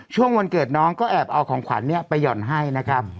ช่วงวันเกิดน้องก็แอบเอาของขวัญไปหย่อนให้นะครับ